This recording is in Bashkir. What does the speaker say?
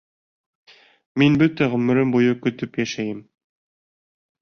— Мин бөтә ғүмерем буйы көтөп йәшәйем.